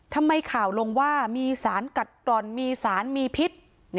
ทำไมข่าวลงว่ามีสารกัดกร่อนมีสารมีพิษ